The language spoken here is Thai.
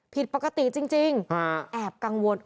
ผิดปกติจริงแอบกังวล